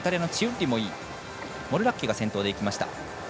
モルラッキが先頭でいきました。